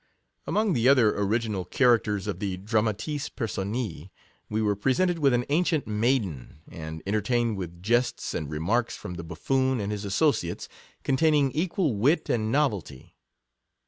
Among the other original characters of the dramatis personae, we were presented with an ancient maiden; and entertained with jests and remarks from the buffoon and his asso ciates, containing equal wit and novelty.